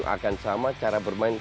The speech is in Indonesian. akan sama cara bermain